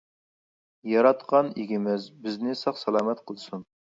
ياراتقان ئىگىمىز بىزنى ساق سالامەت قىلسۇن.